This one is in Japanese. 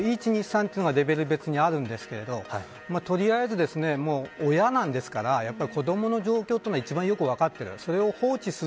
１、２、３というのがレベル別にありますが取りあえず親なんですから子どもの状況というのは一番よく分かっている。